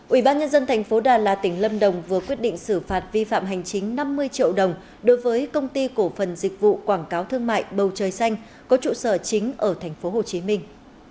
ủy ban nhân dân tp đà lạt tỉnh lâm đồng vừa quyết định xử phạt vi phạm hành chính năm mươi triệu đồng đối với công ty cổ phần dịch vụ quảng cáo thương mại bầu trời xanh có trụ sở chính ở tp hồ chí minh